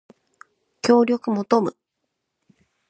協力求む